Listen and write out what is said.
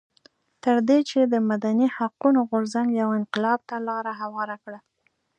تر دې چې د مدني حقونو غورځنګ یو انقلاب ته لار هواره کړه.